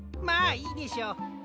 まあいいでしょう。